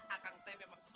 ah kang teh memang susah